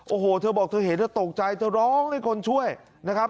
โอ้โหเธอบอกเธอเห็นเธอตกใจเธอร้องให้คนช่วยนะครับ